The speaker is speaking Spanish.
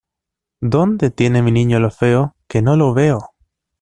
¿Dónde tiene mi niño lo feo?, ¡que no lo veo!